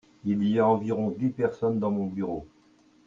Il y a environ dix personnes dans mon bureau.